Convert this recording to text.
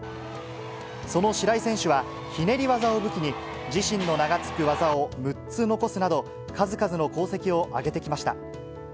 その白井選手は、ひねり技を武器に、自身の名が付く技を６つ残すなど、数々の功績を上げてきました。